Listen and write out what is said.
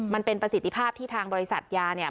มันเป็นประสิทธิภาพที่ทางบริษัทยาเนี่ย